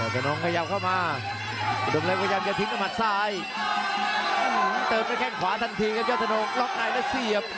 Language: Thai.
เติมก็แขกขวาทันทีครับเจศนลงรอบไหนแล้วเสียบ